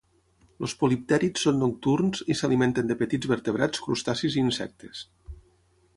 Els poliptèrids són nocturns i s'alimenten de petits vertebrats, crustacis i insectes.